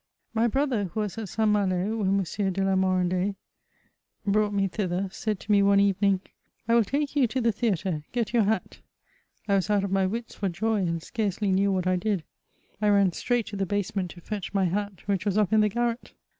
My brother, who was at St. Malo when M. de la Moran dais brought me thither, said to me one evening, " I will take you to the theatre, get your hat." I was out of my wits for joy, and scarcely knew what I did. I ran straight to the basement to fetch my hat, which was up in the garret.